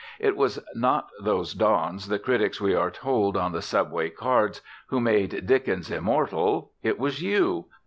It was not those dons the critics, we are told on the subway cards, who made Dickens immortal it was YOU.